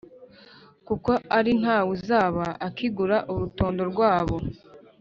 kuko ari nta wuzaba akigura urutundo rwabo,